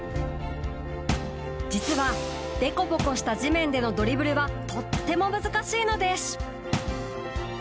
実はデコボコした地面でのドリブルはとっても難しいのでシュ。